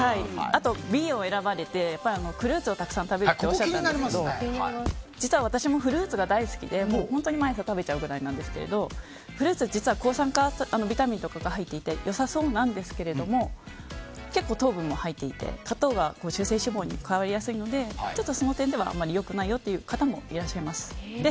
あとＢを選ばれてフルーツをたくさん食べるとおっしゃったんですけど実は私もフルーツは大好きで本当に毎朝食べちゃうくらいなんですけどフルーツ、実は抗酸化ビタミンとかが入っていて良さそうなんですけれども結構、糖分も入っていて果糖が中性脂肪に代わりやすいのでその点ではあまり良くないよという方もいらっしゃいます。